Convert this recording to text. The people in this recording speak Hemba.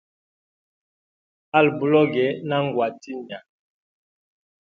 Ali buloge na ngwa tinya.